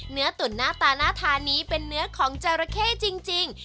เนื้อตุ่นหน้าตาหน้าทานนี้เป็นเนื้อของจอระเข้จริง